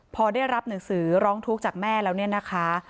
พอได้รับหนังสือร้องทุกข์จากแม่แล้วเนี่ยนะคะ